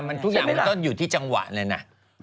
ทุกอย่างมันก็อยู่ที่จังหวะเลยนะ